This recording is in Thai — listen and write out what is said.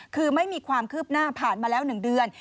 คือไม่มีความคืบหน้าผ่านมาแล้ว๑เดือน